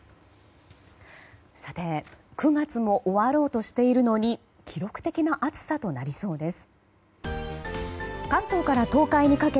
９月も終わろうとしているのに記録的な暑さとなりそうです。